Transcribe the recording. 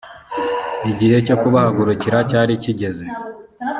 igihe cyo kubahagurukira cyari kigeze